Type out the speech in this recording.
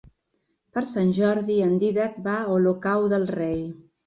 Per Sant Jordi en Dídac va a Olocau del Rei.